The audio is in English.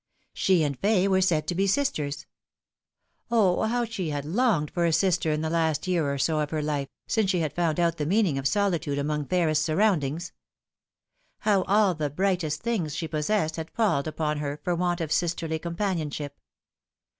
She and Fay were said to be sisters. O, how she had longed for a sister in the last year or so of her life, since she had found out the meaning of solitude among fairest surroundings ! How all the brightest things she possessed had palled upon her for want of sisterly companionship